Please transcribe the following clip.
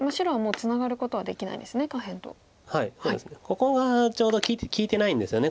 ここがちょうど利いてないんですよね。